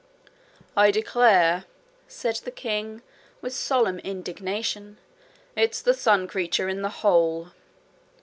'I declare,' said the king with solemn indignation, 'it's the sun creature in the hole!'